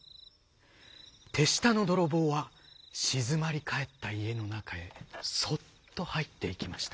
手下の泥棒は静まり返った家の中へそっと入っていきました。